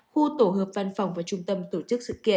khu tổ hợp văn phòng và trung tâm tổ chức sự kiện